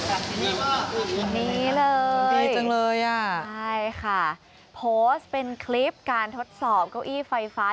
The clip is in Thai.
อันนี้เลยดีจังเลยอ่ะใช่ค่ะโพสต์เป็นคลิปการทดสอบเก้าอี้ไฟฟ้า